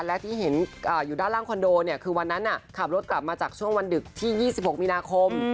และที่เห็นอยู่ด้านล่างคอนโดเนี่ยคือวันนั้นขับรถกลับมาจากช่วงวันดึกที่๒๖มีนาคม